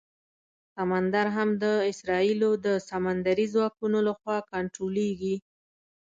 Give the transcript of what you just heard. سمندر هم د اسرائیلو د سمندري ځواکونو لخوا کنټرولېږي.